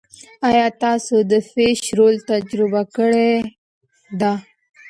ایا تاسو د فش رول تجربه کړې ده؟